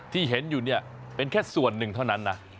ที่เห็นอยู่เนี่ยเป็นแค่ส่วนหนึ่งเท่านั้นนะ